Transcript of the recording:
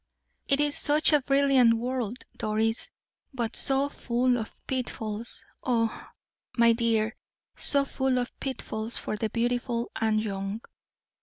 "It is such a brilliant world, Doris, but so full of pitfalls oh! my dear, so full of pitfalls for the beautiful and young."